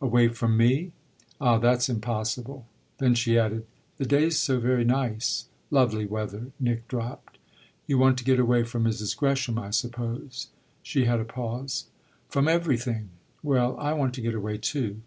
"Away from me?" "Ah that's impossible." Then she added: "The day's so very nice." "Lovely weather," Nick dropped. "You want to get away from Mrs. Gresham, I suppose." She had a pause. "From everything!" "Well, I want to get away too."